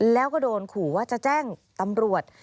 แล้วก็โดนขู่ว่าจะแจ้งตำรวจ